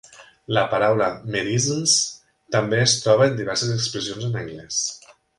La paraula "merisms" també es troba en diverses expressions en anglès.